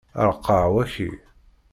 Ṛeqqeɛ waki.